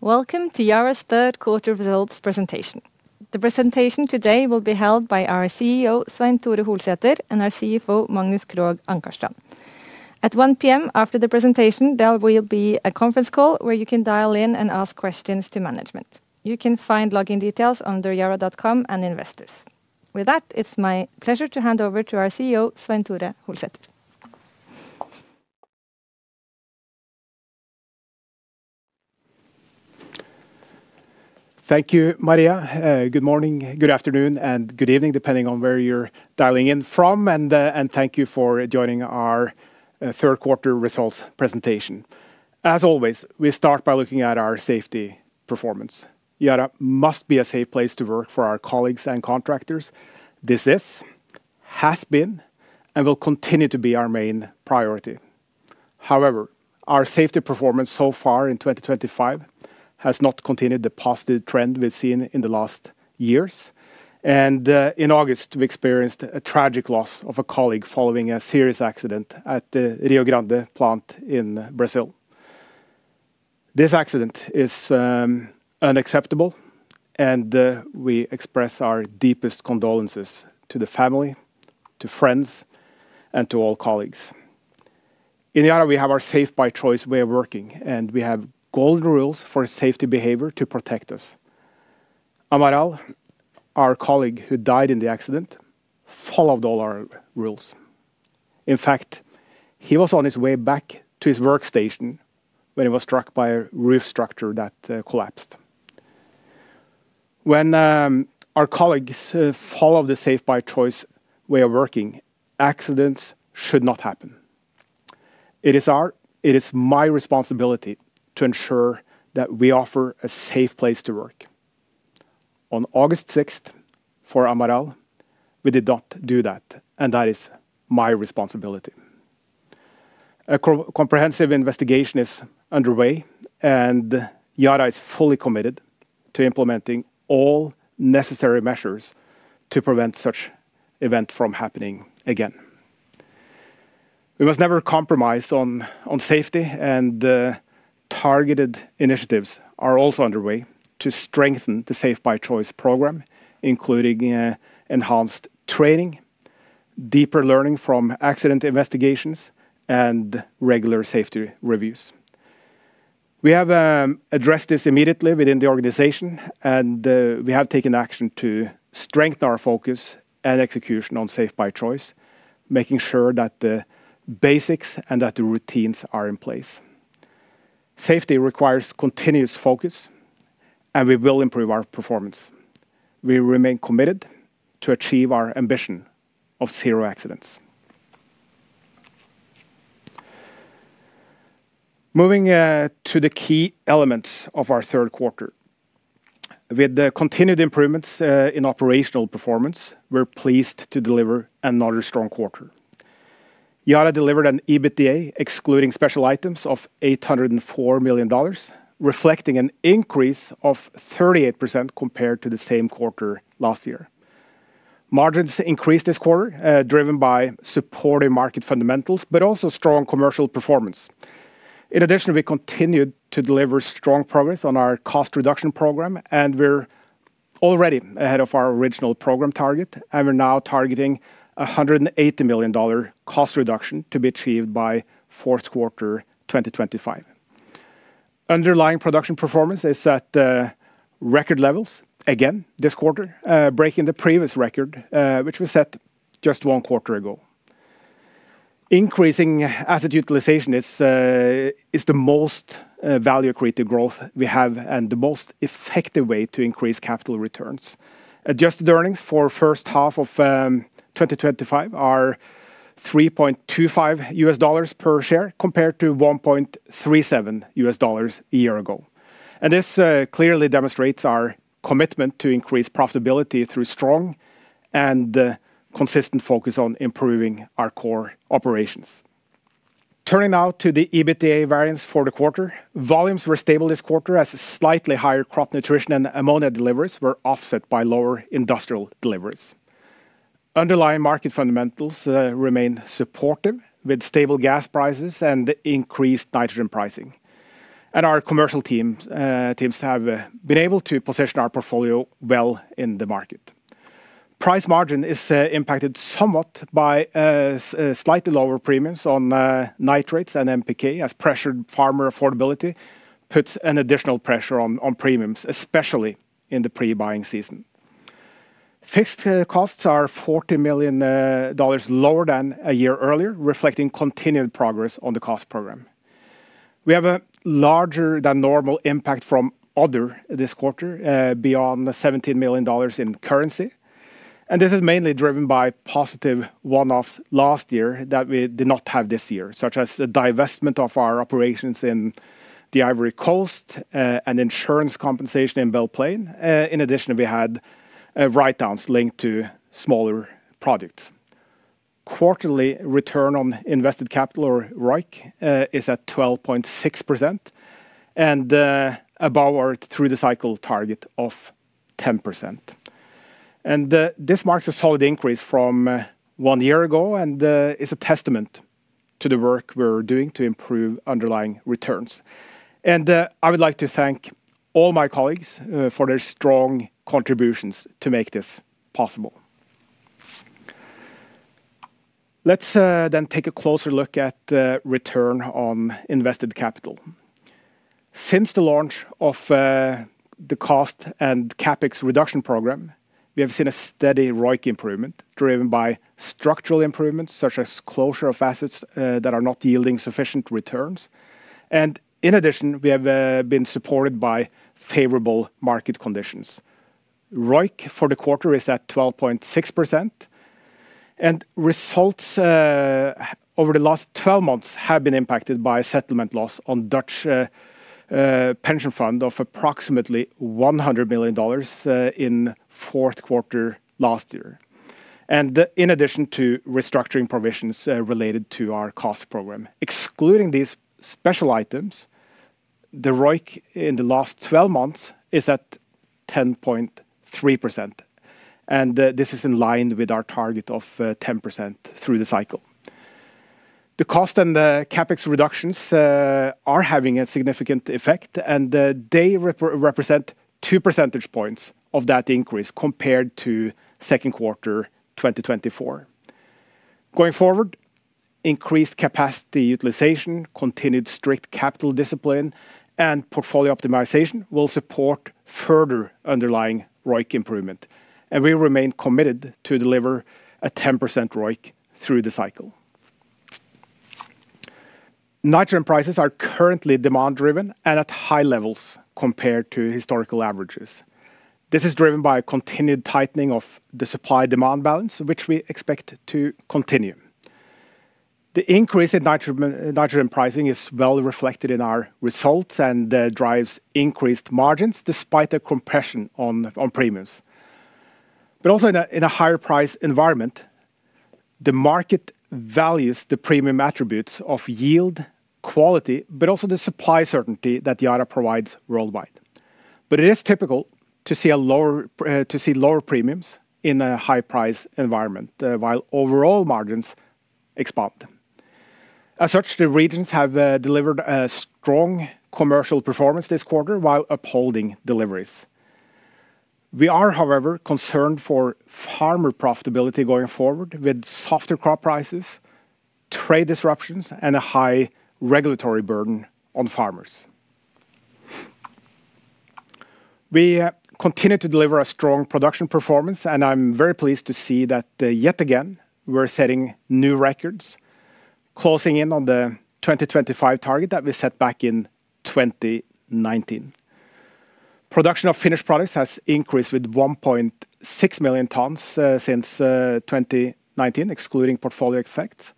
Welcome to Yara International's third quarter results presentation. The presentation today will be held by our CEO, Svein-Tore Holsether, and our CFO, Magnus Krogh Ankarstrand. At 1:00 P.M. after the presentation, there will be a conference call where you can dial in and ask questions to management. You can find login details under yara.com and investors. With that, it's my pleasure to hand over to our CEO, Svein-Tore Holsether. Thank you, Maria. Good morning, good afternoon, and good evening, depending on where you're dialing in from. Thank you for joining our third quarter results presentation. As always, we start by looking at our safety performance. Yara must be a safe place to work for our colleagues and contractors. This is, has been, and will continue to be our main priority. However, our safety performance so far in 2025 has not continued the positive trend we've seen in the last years. In August, we experienced a tragic loss of a colleague following a serious accident at the Rio Grande plant in Brazil. This accident is unacceptable, and we express our deepest condolences to the family, to friends, and to all colleagues. In Yara, we have our Safe by Choice way of working, and we have golden rules for safety behavior to protect us. Amaral, our colleague who died in the accident, followed all our rules. In fact, he was on his way back to his workstation when he was struck by a roof structure that collapsed. When our colleagues follow the Safe by Choice way of working, accidents should not happen. It is our, it is my responsibility to ensure that we offer a safe place to work. On August 6, for Amaral, we did not do that, and that is my responsibility. A comprehensive investigation is underway, and Yara is fully committed to implementing all necessary measures to prevent such events from happening again. We must never compromise on safety, and targeted initiatives are also underway to strengthen the Safe by Choice program, including enhanced training, deeper learning from accident investigations, and regular safety reviews. We have addressed this immediately within the organization, and we have taken action to strengthen our focus and execution on Safe by Choice, making sure that the basics and that the routines are in place. Safety requires continuous focus, and we will improve our performance. We remain committed to achieve our ambition of zero accidents. Moving to the key elements of our third quarter, with continued improvements in operational performance, we're pleased to deliver another strong quarter. Yara delivered an EBITDA, excluding special items, of $804 million, reflecting an increase of 38% compared to the same quarter last year. Margins increased this quarter, driven by supportive market fundamentals, but also strong commercial performance. In addition, we continued to deliver strong progress on our cost reduction program, and we're already ahead of our original program target, and we're now targeting $180 million cost reduction to be achieved by fourth quarter 2025. Underlying production performance is at record levels again this quarter, breaking the previous record which was set just one quarter ago. Increasing asset utilization is the most value-created growth we have and the most effective way to increase capital returns. Adjusted earnings for the first half of 2025 are $3.25 per share compared to $1.37 per share a year ago. This clearly demonstrates our commitment to increase profitability through strong and consistent focus on improving our core operations. Turning now to the EBITDA variance for the quarter, volumes were stable this quarter as slightly higher crop nutrition and ammonia deliveries were offset by lower industrial deliveries. Underlying market fundamentals remain supportive with stable gas prices and increased nitrogen pricing. Our commercial teams have been able to position our portfolio well in the market. Price margin is impacted somewhat by slightly lower premiums on nitrates and NPK as pressured farmer affordability puts an additional pressure on premiums, especially in the pre-buying season. Fixed costs are $40 million lower than a year earlier, reflecting continued progress on the cost program. We have a larger than normal impact from other this quarter beyond $17 million in currency. This is mainly driven by positive one-offs last year that we did not have this year, such as the divestment of our operations in the Ivory Coast and insurance compensation in Bell Plain. In addition, we had write-downs linked to smaller projects. Quarterly return on invested capital, or ROIC, is at 12.6% and above our through-the-cycle target of 10%. This marks a solid increase from one year ago and is a testament to the work we're doing to improve underlying returns. I would like to thank all my colleagues for their strong contributions to make this possible. Let's then take a closer look at the return on invested capital. Since the launch of the cost and CapEx reduction program, we have seen a steady ROIC improvement driven by structural improvements such as closure of assets that are not yielding sufficient returns. In addition, we have been supported by favorable market conditions. ROIC for the quarter is at 12.6%. Results over the last 12 months have been impacted by a settlement loss on the Dutch pension fund of approximately $100 million in the fourth quarter last year. In addition to restructuring provisions related to our cost program, excluding these special items, the ROIC in the last 12 months is at 10.3%. This is in line with our target of 10% through the cycle. The cost and the CapEx reductions are having a significant effect, and they represent two percentage points of that increase compared to the second quarter 2024. Going forward, increased capacity utilization, continued strict capital discipline, and portfolio optimization will support further underlying ROIC improvement. We remain committed to deliver a 10% ROIC through the cycle. Nitrogen prices are currently demand-driven and at high levels compared to historical averages. This is driven by a continued tightening of the supply-demand balance, which we expect to continue. The increase in nitrogen pricing is well reflected in our results and drives increased margins despite a compression on premiums. In a higher price environment, the market values the premium attributes of yield, quality, and the supply certainty that Yara provides worldwide. It is typical to see lower premiums in a high-price environment, while overall margins expand. As such, the regions have delivered a strong commercial performance this quarter while upholding deliveries. We are, however, concerned for farmer profitability going forward with softer crop prices, trade disruptions, and a high regulatory burden on farmers. We continue to deliver a strong production performance, and I'm very pleased to see that yet again we're setting new records, closing in on the 2025 target that we set back in 2019. Production of finished products has increased by 1.6 million tons since 2019, excluding portfolio effects.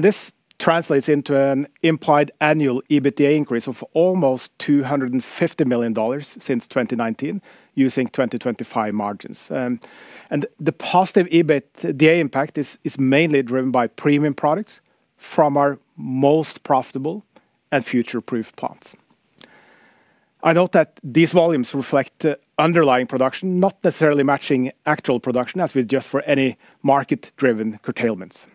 This translates into an implied annual EBITDA increase of almost $250 million since 2019, using 2025 margins. The positive EBITDA impact is mainly driven by premium products from our most profitable and future-proofed plants. I note that these volumes reflect underlying production, not necessarily matching actual production, as we adjust for any market-driven curtailments.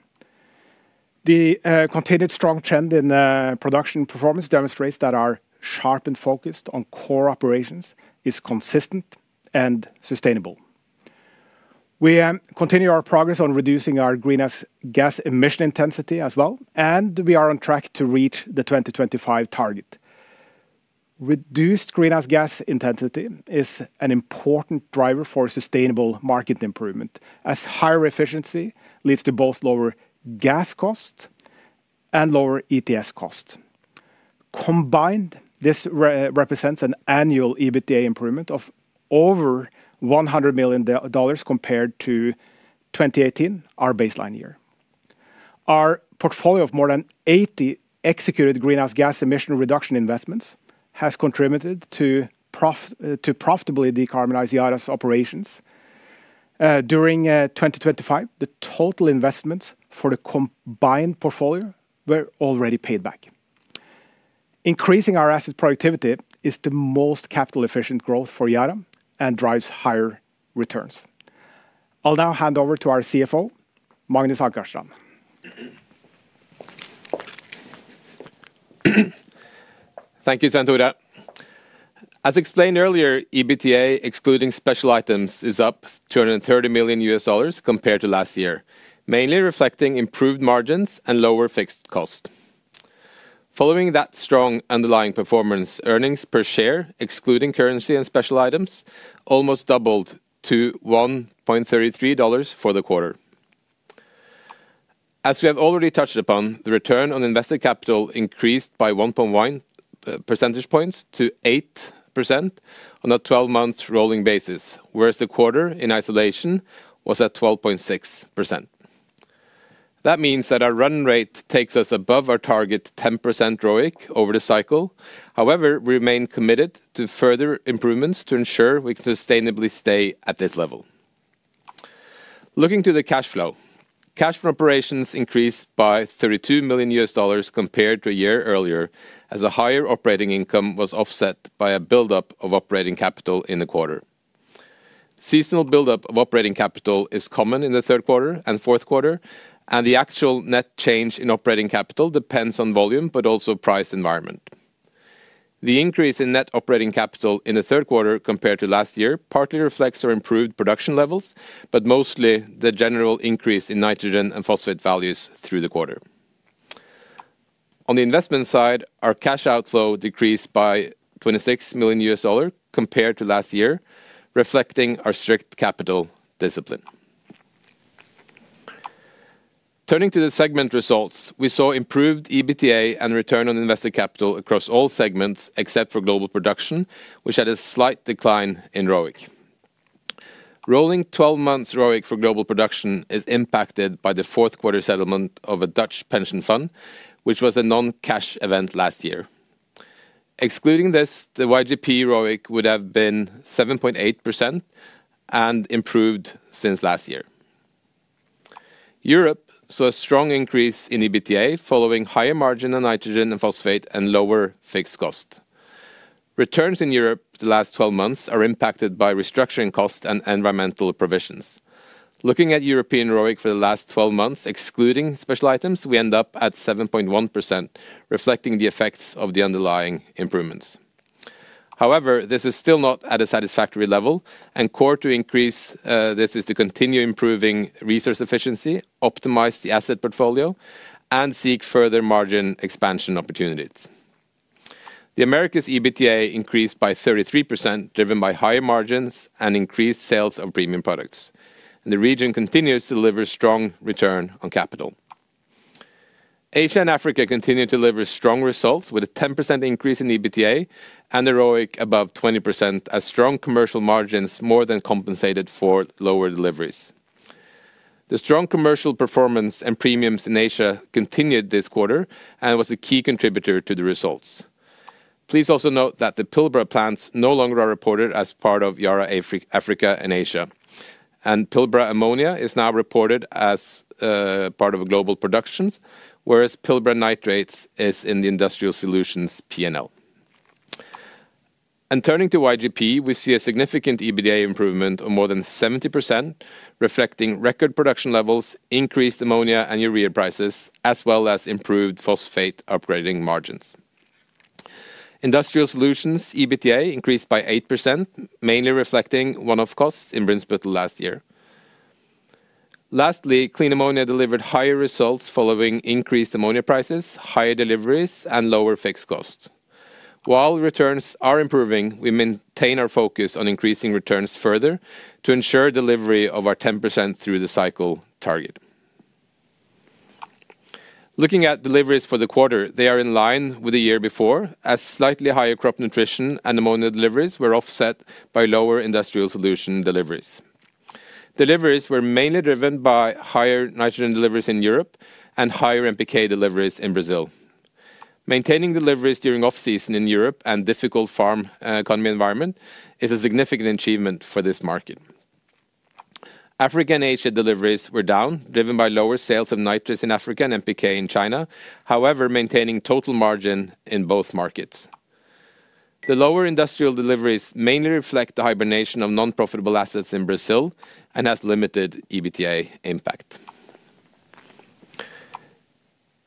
The continued strong trend in production performance demonstrates that our sharpened focus on core operations is consistent and sustainable. We continue our progress on reducing our greenhouse gas emission intensity as well, and we are on track to reach the 2025 target. Reduced greenhouse gas intensity is an important driver for sustainable market improvement, as higher efficiency leads to both lower gas costs and lower ETS costs. Combined, this represents an annual EBITDA improvement of over $100 million compared to 2018, our baseline year. Our portfolio of more than 80 executed greenhouse gas emission reduction investments has contributed to profitably decarbonize Yara's operations. During 2025, the total investments for the combined portfolio were already paid back. Increasing our asset productivity is the most capital-efficient growth for Yara and drives higher returns. I'll now hand over to our CFO, Magnus Krogh Ankarstrand. Thank you, Svein-Tore. As explained earlier, EBITDA, excluding special items, is up $230 million compared to last year, mainly reflecting improved margins and lower fixed costs. Following that strong underlying performance, earnings per share, excluding currency and special items, almost doubled to $1.33 for the quarter. As we have already touched upon, the return on invested capital increased by 1.1 percentage points to 8% on a 12-month rolling basis, whereas the quarter in isolation was at 12.6%. That means that our run rate takes us above our target 10% ROIC over the cycle. However, we remain committed to further improvements to ensure we can sustainably stay at this level. Looking to the cash flow, cash flow operations increased by $32 million compared to a year earlier, as a higher operating income was offset by a buildup of operating capital in the quarter. Seasonal buildup of operating capital is common in the third quarter and fourth quarter, and the actual net change in operating capital depends on volume, but also price environment. The increase in net operating capital in the third quarter compared to last year partly reflects our improved production levels, but mostly the general increase in nitrogen and phosphate values through the quarter. On the investment side, our cash outflow decreased by $26 million compared to last year, reflecting our strict capital discipline. Turning to the segment results, we saw improved EBITDA and return on invested capital across all segments except for global production, which had a slight decline in ROIC. Rolling 12 months ROIC for global production is impacted by the fourth quarter settlement of a Dutch pension fund, which was a non-cash event last year. Excluding this, the YGP ROIC would have been 7.8% and improved since last year. Europe saw a strong increase in EBITDA following higher margin on nitrogen and phosphate and lower fixed costs. Returns in Europe the last 12 months are impacted by restructuring costs and environmental provisions. Looking at European ROIC for the last 12 months, excluding special items, we end up at 7.1%, reflecting the effects of the underlying improvements. However, this is still not at a satisfactory level, and core to increase this is to continue improving resource efficiency, optimize the asset portfolio, and seek further margin expansion opportunities. The Americas' EBITDA increased by 33%, driven by higher margins and increased sales of premium products. The region continues to deliver strong return on capital. Asia & Africa continue to deliver strong results with a 10% increase in EBITDA and a ROIC above 20%, as strong commercial margins more than compensated for lower deliveries. The strong commercial performance and premiums in Asia continued this quarter and was a key contributor to the results. Please also note that the Pilbara plants no longer are reported as part of Yara Africa & Asia, and Pilbara ammonia is now reported as part of global production, whereas Pilbara nitrates is in the Industrial Solutions P&L. Turning to YGP, we see a significant EBITDA improvement of more than 70%, reflecting record production levels, increased ammonia and urea prices, as well as improved phosphate upgrading margins. Industrial Solutions' EBITDA increased by 8%, mainly reflecting one-off costs in Brinspyttel last year. Lastly, clean ammonia delivered higher results following increased ammonia prices, higher deliveries, and lower fixed costs. While returns are improving, we maintain our focus on increasing returns further to ensure delivery of our 10% through the cycle target. Looking at deliveries for the quarter, they are in line with the year before, as slightly higher crop nutrition and ammonia deliveries were offset by lower Industrial Solution deliveries. Deliveries were mainly driven by higher nitrogen deliveries in Europe and higher NPK deliveries in Brazil. Maintaining deliveries during off-season in Europe and a difficult farm economy environment is a significant achievement for this market. Africa & Asia deliveries were down, driven by lower sales of nitrates in Africa and NPK in China, however, maintaining total margin in both markets. The lower industrial deliveries mainly reflect the hibernation of non-profitable assets in Brazil and has limited EBITDA impact.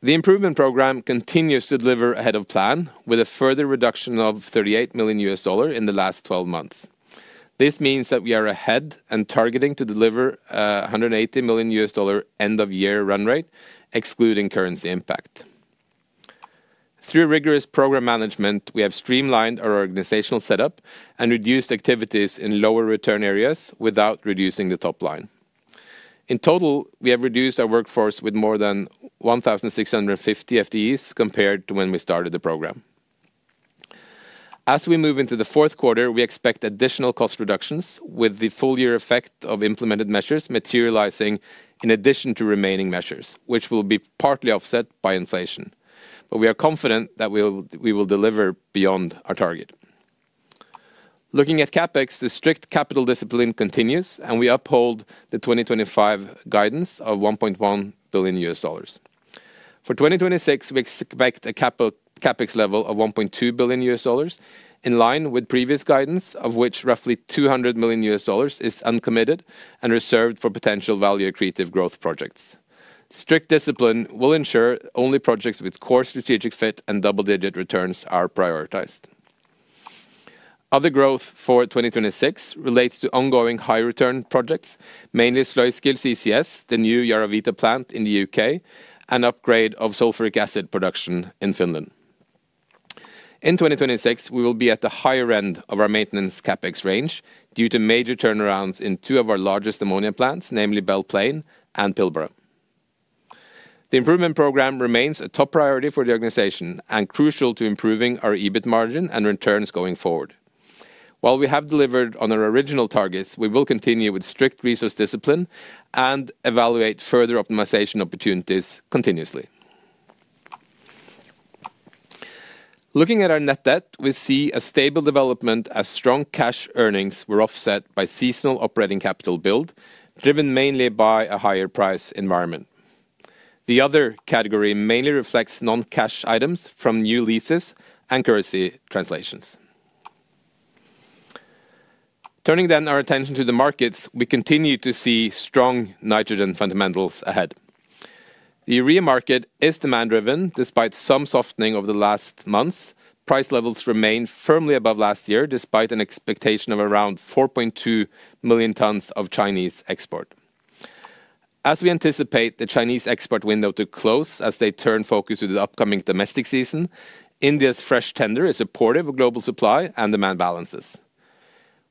The improvement program continues to deliver ahead of plan, with a further reduction of $38 million in the last 12 months. This means that we are ahead and targeting to deliver a $180 million end-of-year run rate, excluding currency impact. Through rigorous program management, we have streamlined our organizational setup and reduced activities in lower return areas without reducing the top line. In total, we have reduced our workforce with more than 1,650 FTEs compared to when we started the program. As we move into the fourth quarter, we expect additional cost reductions with the full-year effect of implemented measures materializing in addition to remaining measures, which will be partly offset by inflation. We are confident that we will deliver beyond our target. Looking at CapEx, the strict capital discipline continues, and we uphold the 2025 guidance of $1.1 billion. For 2026, we expect a CapEx level of $1.2 billion, in line with previous guidance, of which roughly $200 million is uncommitted and reserved for potential value-creative growth projects. Strict discipline will ensure only projects with core strategic fit and double-digit returns are prioritized. Other growth for 2026 relates to ongoing high-return projects, mainly Sluiskil CCS, the new YaraVita plant in the UK, and upgrade of sulfuric acid production in Finland. In 2026, we will be at the higher end of our maintenance CapEx range due to major turnarounds in two of our largest ammonia plants, namely Bell Plain and Pilbara. The improvement program remains a top priority for the organization and crucial to improving our EBIT margin and returns going forward. While we have delivered on our original targets, we will continue with strict resource discipline and evaluate further optimization opportunities continuously. Looking at our net debt, we see a stable development as strong cash earnings were offset by seasonal operating capital build, driven mainly by a higher price environment. The other category mainly reflects non-cash items from new leases and currency translations. Turning then our attention to the markets, we continue to see strong nitrogen fundamentals ahead. The urea market is demand-driven, despite some softening over the last months. Price levels remain firmly above last year, despite an expectation of around 4.2 million tons of Chinese export. As we anticipate the Chinese export window to close as they turn focus to the upcoming domestic season, India's fresh tender is supportive of global supply and demand balances.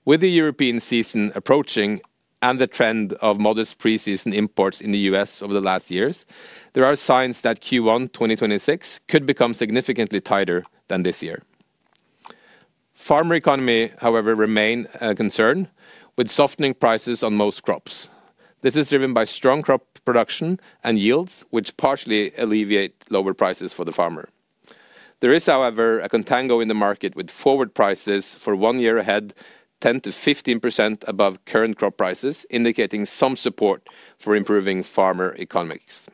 With the European season approaching and the trend of modest pre-season imports in the U.S. over the last years, there are signs that Q1 2026 could become significantly tighter than this year. Farmer economy, however, remains a concern, with softening prices on most crops. This is driven by strong crop production and yields, which partially alleviate lower prices for the farmer. There is, however, a contango in the market with forward prices for one year ahead 10%-15% above current crop prices, indicating some support for improving farmer economics.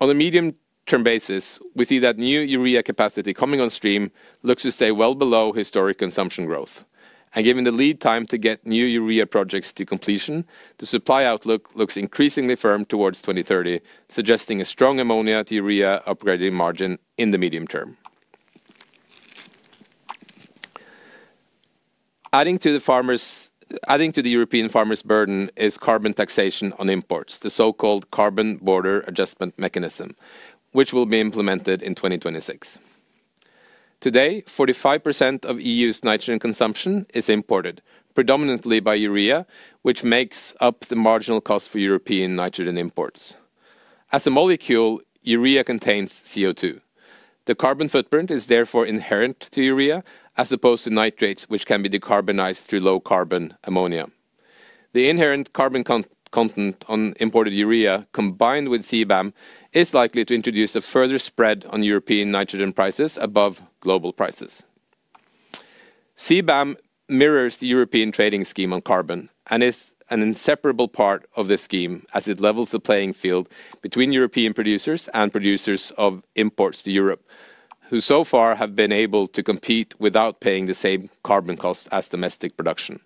On a medium-term basis, we see that new urea capacity coming on stream looks to stay well below historic consumption growth. Given the lead time to get new urea projects to completion, the supply outlook looks increasingly firm towards 2030, suggesting a strong ammonia to urea upgrading margin in the medium term. Adding to the European farmer's burden is carbon taxation on imports, the so-called Carbon Border Adjustment Mechanism, which will be implemented in 2026. Today, 45% of the EU's nitrogen consumption is imported, predominantly by urea, which makes up the marginal cost for European nitrogen imports. As a molecule, urea contains CO2. The carbon footprint is therefore inherent to urea, as opposed to nitrates, which can be decarbonized through low carbon ammonia. The inherent carbon content on imported urea, combined with CBAM, is likely to introduce a further spread on European nitrogen prices above global prices. CBAM mirrors the European trading scheme on carbon and is an inseparable part of this scheme, as it levels the playing field between European producers and producers of imports to Europe, who so far have been able to compete without paying the same carbon cost as domestic production.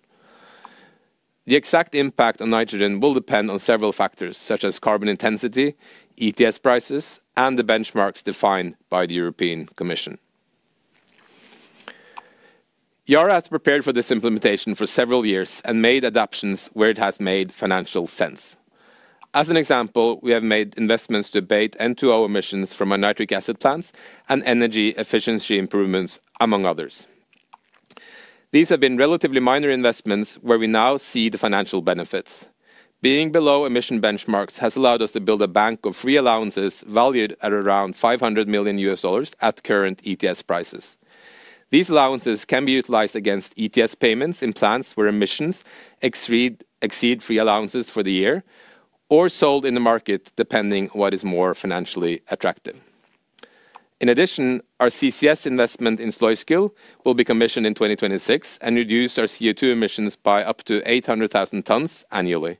The exact impact on nitrogen will depend on several factors, such as carbon intensity, ETS prices, and the benchmarks defined by the European Commission. Yara International has prepared for this implementation for several years and made adaptations where it has made financial sense. As an example, we have made investments to abate N2O emissions from our nitric acid plants and energy efficiency improvements, among others. These have been relatively minor investments where we now see the financial benefits. Being below emission benchmarks has allowed us to build a bank of free allowances valued at around $500 million at current ETS prices. These allowances can be utilized against ETS payments in plants where emissions exceed free allowances for the year or sold in the market, depending on what is more financially attractive. In addition, our CCS investment in Sluiskil will be commissioned in 2026 and reduce our CO2 emissions by up to 800,000 tons annually.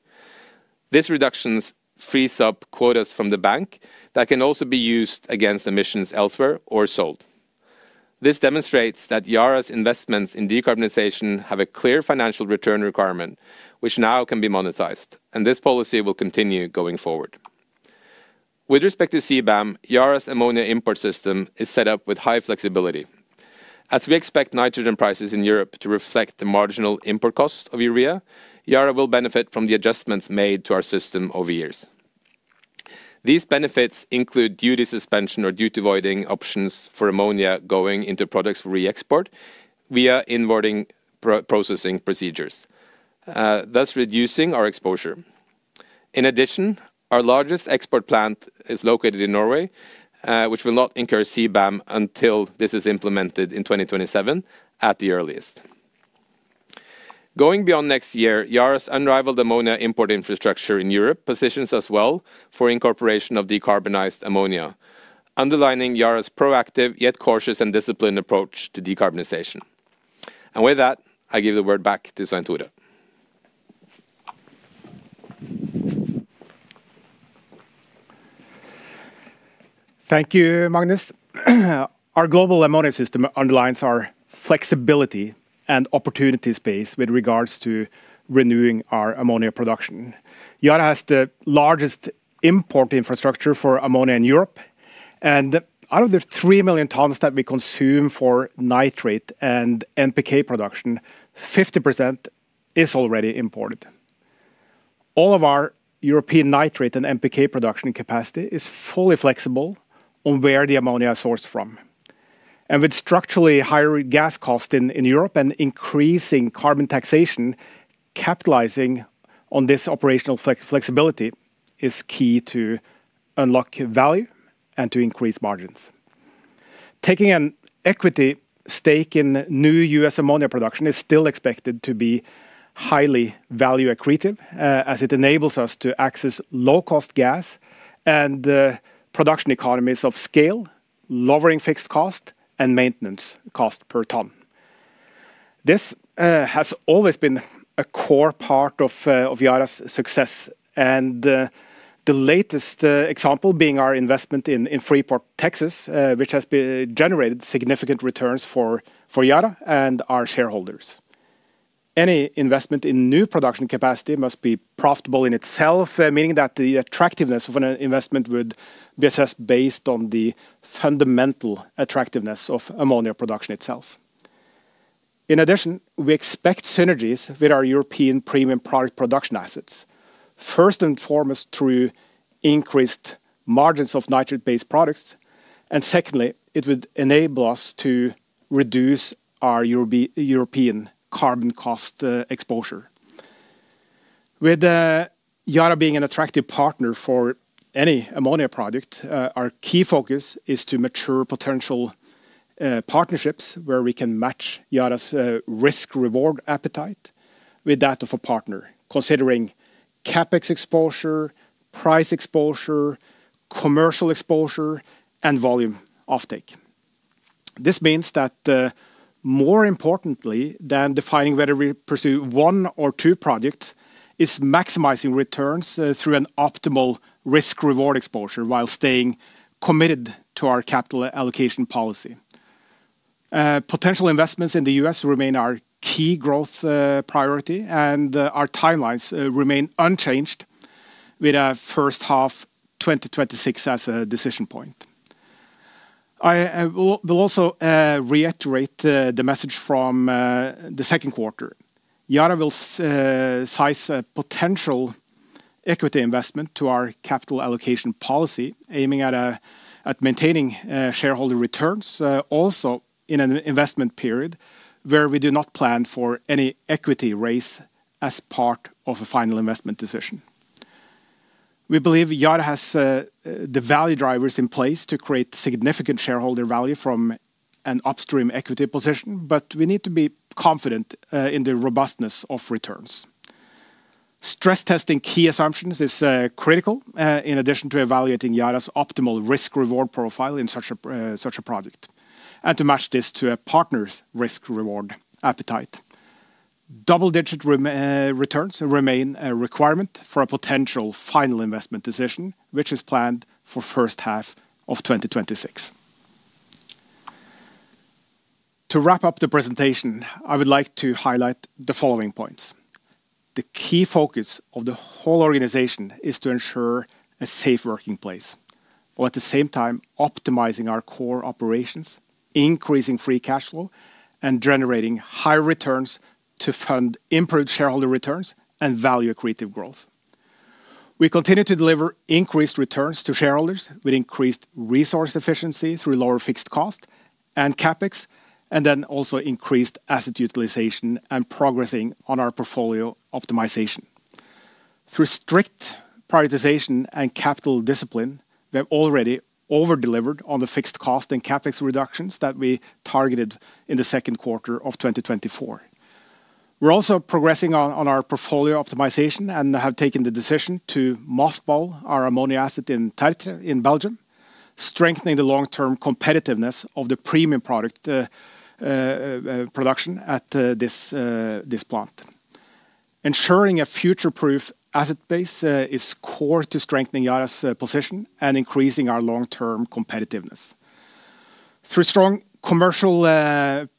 These reductions free sub-quotas from the bank that can also be used against emissions elsewhere or sold. This demonstrates that Yara's investments in decarbonization have a clear financial return requirement, which now can be monetized, and this policy will continue going forward. With respect to CBAM, Yara's ammonia import system is set up with high flexibility. As we expect nitrogen prices in Europe to reflect the marginal import cost of urea, Yara will benefit from the adjustments made to our system over years. These benefits include duty suspension or duty-avoiding options for ammonia going into products for re-export via inboarding processing procedures, thus reducing our exposure. In addition, our largest export plant is located in Norway, which will not incur CBAM until this is implemented in 2027 at the earliest. Going beyond next year, Yara's unrivaled ammonia import infrastructure in Europe positions us well for incorporation of decarbonized ammonia, underlining Yara's proactive yet cautious and disciplined approach to decarbonization. I give the word back to Svein-Tore. Thank you, Magnus. Our global ammonia system underlines our flexibility and opportunity space with regards to renewing our ammonia production. Yara has the largest import infrastructure for ammonia in Europe, and out of the 3 million tons that we consume for nitrate and NPK production, 50% is already imported. All of our European nitrate and NPK production capacity is fully flexible on where the ammonia is sourced from. With structurally higher gas costs in Europe and increasing carbon taxation, capitalizing on this operational flexibility is key to unlock value and to increase margins. Taking an equity stake in new U.S. ammonia production is still expected to be highly value-creative, as it enables us to access low-cost gas and production economies of scale, lowering fixed cost and maintenance cost per ton. This has always been a core part of Yara's success, with the latest example being our investment in Freeport, Texas, which has generated significant returns for Yara and our shareholders. Any investment in new production capacity must be profitable in itself, meaning that the attractiveness of an investment would be assessed based on the fundamental attractiveness of ammonia production itself. In addition, we expect synergies with our European premium product production assets, first and foremost through increased margins of nitrate-based products. Secondly, it would enable us to reduce our European carbon cost exposure. With Yara being an attractive partner for any ammonia project, our key focus is to mature potential partnerships where we can match Yara's risk-reward appetite with that of a partner, considering CapEx exposure, price exposure, commercial exposure, and volume offtake. This means that more importantly than defining whether we pursue one or two projects, it's maximizing returns through an optimal risk-reward exposure while staying committed to our capital allocation policy. Potential investments in the U.S. remain our key growth priority, and our timelines remain unchanged with our first half 2026 as a decision point. I will also reiterate the message from the second quarter. Yara will size a potential equity investment to our capital allocation policy, aiming at maintaining shareholder returns, also in an investment period where we do not plan for any equity raise as part of a final investment decision. We believe Yara has the value drivers in place to create significant shareholder value from an upstream equity position, but we need to be confident in the robustness of returns. Stress testing key assumptions is critical in addition to evaluating Yara's optimal risk-reward profile in such a project, and to match this to a partner's risk-reward appetite. Double-digit returns remain a requirement for a potential final investment decision, which is planned for the first half of 2026. To wrap up the presentation, I would like to highlight the following points. The key focus of the whole organization is to ensure a safe working place, while at the same time optimizing our core operations, increasing free cash flow, and generating high returns to fund improved shareholder returns and value-creative growth. We continue to deliver increased returns to shareholders with increased resource efficiency through lower fixed cost and CapEx, and also increased asset utilization and progressing on our portfolio optimization. Through strict prioritization and capital discipline, we have already over-delivered on the fixed cost and CapEx reductions that we targeted in the second quarter of 2024. We're also progressing on our portfolio optimization and have taken the decision to mothball our ammonia asset in Belgium, strengthening the long-term competitiveness of the premium product production at this plant. Ensuring a future-proof asset base is core to strengthening Yara's position and increasing our long-term competitiveness. Through strong commercial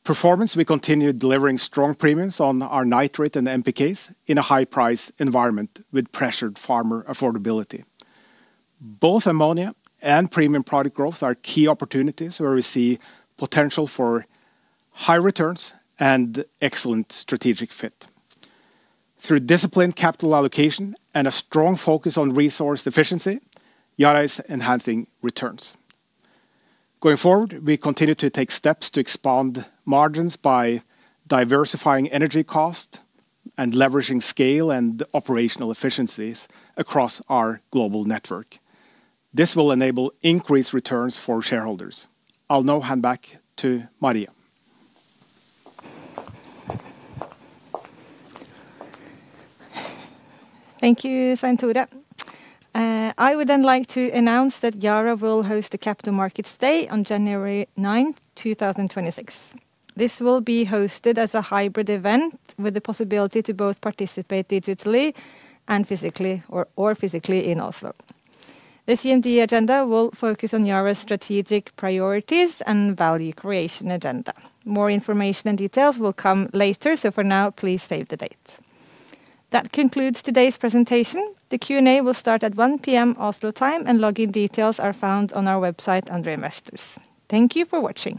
performance, we continue delivering strong premiums on our nitrate and NPKs in a high-price environment with pressured farmer affordability. Both ammonia and premium product growth are key opportunities where we see potential for high returns and excellent strategic fit. Through disciplined capital allocation and a strong focus on resource efficiency, Yara is enhancing returns. Going forward, we continue to take steps to expand margins by diversifying energy cost and leveraging scale and operational efficiencies across our global network. This will enable increased returns for shareholders. I'll now hand back to Maria. Thank you, Svein-Tore. I would then like to announce that Yara will host the Capital Markets Day on January 9, 2026. This will be hosted as a hybrid event with the possibility to both participate digitally and physically in Oslo. The CMD agenda will focus on Yara's strategic priorities and value creation agenda. More information and details will come later, so for now, please save the date. That concludes today's presentation. The Q&A will start at 1:00 P.M. Oslo time, and login details are found on our website under Investors. Thank you for watching.